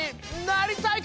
なりたい！